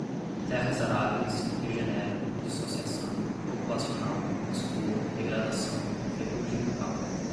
terras aráveis, regenera, dissociação, populacional, postula, degradação, ferrugem do caule